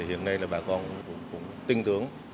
hiện nay bà con cũng tin tưởng